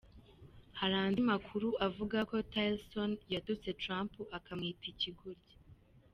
Hari andi makuru avuga ko Tillerson yatutse Trump akamwita ikigoryi.